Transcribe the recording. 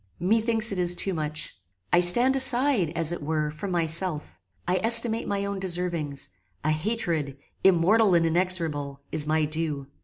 Methinks it is too much. I stand aside, as it were, from myself; I estimate my own deservings; a hatred, immortal and inexorable, is my due.